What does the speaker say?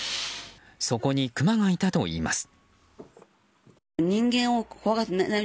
そこにクマがいたといいます。